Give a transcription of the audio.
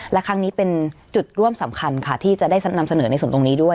และครั้งนี้เป็นจุดร่วมสำคัญค่ะที่จะได้นำเสนอในส่วนตรงนี้ด้วย